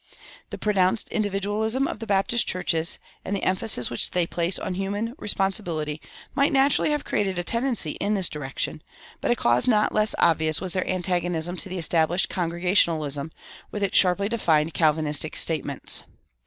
[222:2] The pronounced individualism of the Baptist churches, and the emphasis which they place upon human responsibility, might naturally have created a tendency in this direction; but a cause not less obvious was their antagonism to the established Congregationalism, with its sharply defined Calvinistic statements.